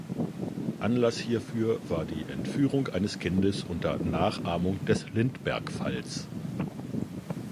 Anlass hierfür war die Entführung eines Kindes unter Nachahmung des Lindbergh-Falls.